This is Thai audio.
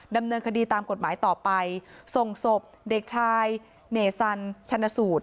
ดำเนินคดีตามกฎหมายต่อไปส่งศพเด็กชายเนซันชนสูตร